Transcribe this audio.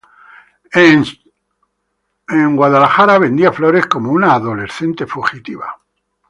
En San Francisco vendía flores como una adolescente fugitiva.